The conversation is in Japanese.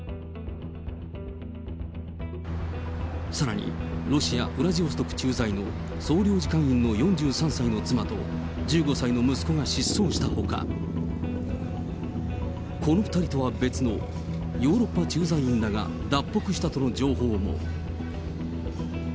さらにロシア・ウラジオストク駐在の総領事館員の４３歳の妻と１５歳の息子が失踪したほか、この２人とは別の、ヨーロッパ駐在員らが脱北したとの情報も。